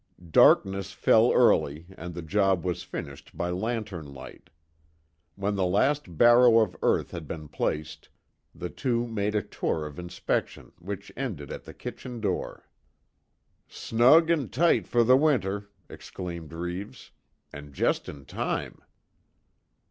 Darkness fell early, and the job was finished by lantern light. When the last barrow of earth had been placed, the two made a tour of inspection which ended at the kitchen door. "Snug and tight for the winter!" exclaimed Reeves, "And just in time!"